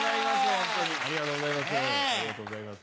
ホントにありがとうございます。